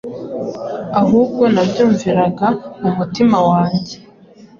ahubwo nabyumviraga mu mutima wanjye